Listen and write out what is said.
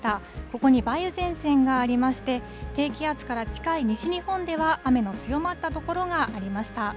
ここに梅雨前線がありまして、低気圧から近い西日本では、雨の強まった所がありました。